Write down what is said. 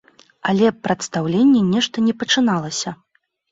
Але прадстаўленне нешта не пачыналася.